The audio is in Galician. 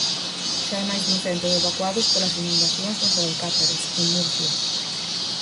Xa hai máis dun cento de evacuados polas inundacións nos Alcázares, en Murcia.